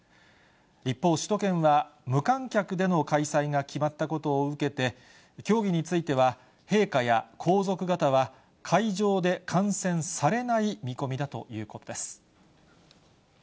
一方、首都圏は無観客での開催が決まったことを受けて、競技については、陛下や皇族方は、会場で観戦されない見込みだということです。